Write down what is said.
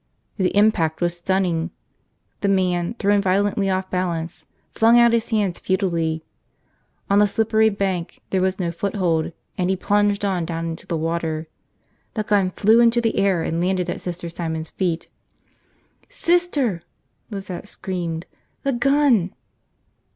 The impact was stunning. The man, thrown violently off balance, flung out his hands futilely. On the slippery bank there was no foothold, and he plunged on down into the water. The gun flew into the air and landed at Sister Simon's feet. "Sister!" Lizette screamed. "The gun!"